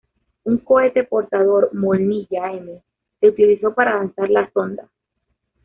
Un cohete portador Molniya-M se utilizó para lanzar la sonda.